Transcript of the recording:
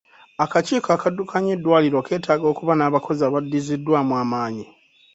Akakiiko akaddukanya eddwaliro keetaaga okuba n'abakozi abaddiziddwamu amaanyi.